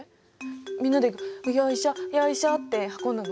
みんなでよいしょよいしょって運んだの？